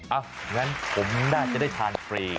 อ้าวอย่างนั้นผมน่าจะได้ทานฟรี